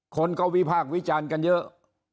คนก็วิพากษ์วิจารณ์กันเยอะ